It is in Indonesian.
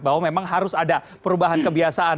bahwa memang harus ada perubahan kebiasaan